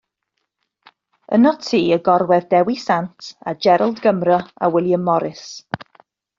Ynot ti y gorwedd Dewi Sant a Gerald Gymro a William Morris.